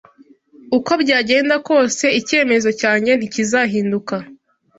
uko byagenda kose, icyemezo cyanjye ntikizahinduka.